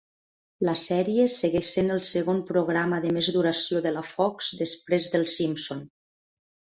La sèrie segueix sent el segon programa de més duració de la Fox després de "Els Simpson".